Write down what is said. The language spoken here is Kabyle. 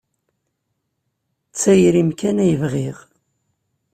D tayri-m kan ay bɣiɣ.